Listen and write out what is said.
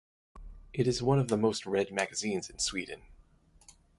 It is one of the most read magazines in Sweden.